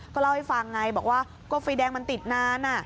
ก็เล่าให้ฟังไงบอกว่าก็ไฟแดงมันติดนาน